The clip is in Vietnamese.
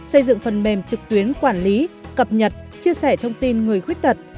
xây dựng phần mềm trực tuyến quản lý cập nhật chia sẻ thông tin người khuyết tật